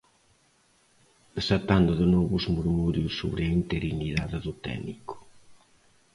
Desatando de novo os murmurios sobre a interinidade do técnico.